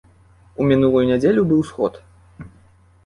У мінулую нядзелю быў сход.